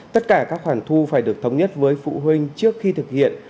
tất cả các khoản thu phải được thống nhất với phụ huynh trước khi thực hiện